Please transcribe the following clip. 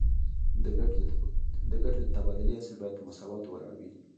د ګټو د تبادلې اصل باید په مساواتو ولاړ وي